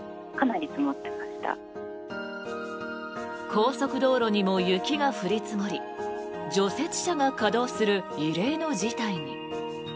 高速道路にも雪が降り積もり除雪車が稼働する異例の事態に。